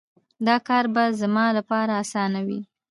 دا کار به زما لپاره اسانه وي